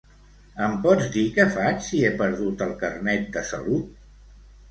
Em pots dir què faig si he perdut el Carnet de salut?